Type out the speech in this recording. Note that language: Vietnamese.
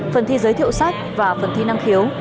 phần thi giới thiệu sách và phần thi năng khiếu